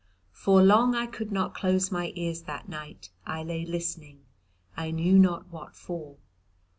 For long I could not close my ears that night: I lay listening, I knew not what for.